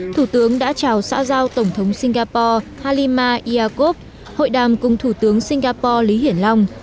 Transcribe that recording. thủ tướng đã chào xã giao tổng thống singapore halima iyakov hội đàm cùng thủ tướng singapore lý hiển long